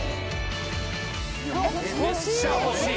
めっちゃ欲しい